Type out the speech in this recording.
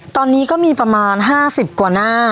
ตอนนี้ก็มีประมาณ๕๐กว่าหน้า